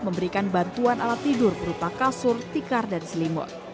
memberikan bantuan alat tidur berupa kasur tikar dan selimut